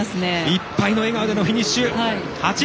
いっぱいの笑顔でフィニッシュ。